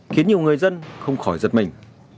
khiến nhiều người dân không khỏi giật mình